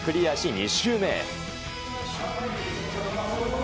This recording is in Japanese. ２周目へ。